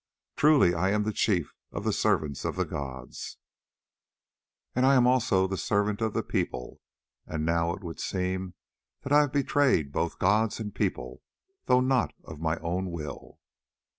Truly, I am the chief of the servants of the gods, and I am also the servant of the people, and now it would seem that I have betrayed both gods and people, though not of my own will.